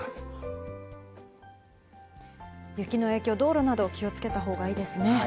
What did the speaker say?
雪の影響、道路など気をつけたほうがいいですね。